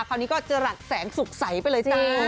คราวนี้ก็จรัสแสงสุขใสไปเลยจ้า